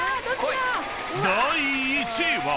［第１位は］